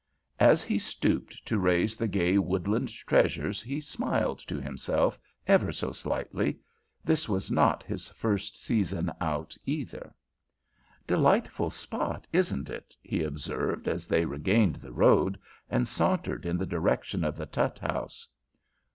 As he stooped to raise the gay woodland treasures he smiled to himself, ever so slightly. This was not his first season out, either. "Delightful spot, isn't it?" he observed as they regained the road and sauntered in the direction of the Tutt House.